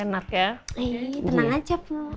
tenang aja bu